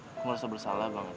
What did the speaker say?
aku merasa bersalah banget